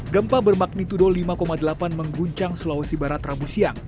gempa bermagnitudo lima delapan mengguncang sulawesi barat rabu siang